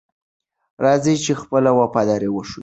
راځئ چې خپله وفاداري وښیو.